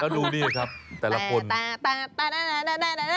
ก็ดูดีอ่ะครับแต่ละคน